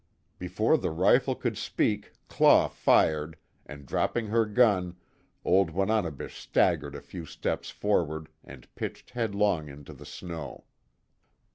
Before the rifle could speak Claw fired, and dropping her gun, old Wananebish staggered a few steps forward and pitched headlong into the snow.